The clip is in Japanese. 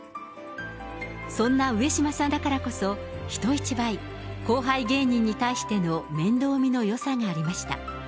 そんな上島さんだからこそ、人一倍、後輩芸人に対しての面倒見のよさがありました。